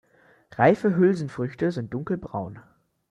Reife Hülsenfrüchte sind dunkelbraun.